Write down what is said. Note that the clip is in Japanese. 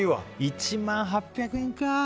１万８００円か。